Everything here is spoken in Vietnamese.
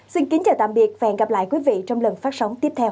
xin kính chào tạm biệt và hẹn gặp lại quý vị trong lần phát sóng tiếp theo